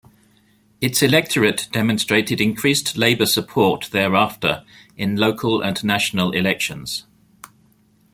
Its electorate demonstrated increased Labour support thereafter in local and national elections.